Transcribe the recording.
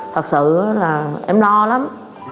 thật sự là em lo lắm